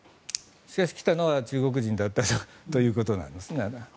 しかし、来たのは中国人だったということなんですね。